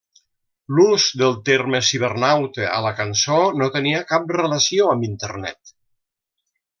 L'ús del terme cibernauta a la cançó no tenia cap relació amb Internet.